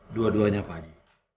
dua duanya pak haji